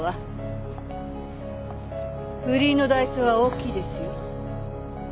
不倫の代償は大きいですよ。